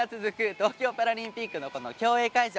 東京パラリンピックの競泳会場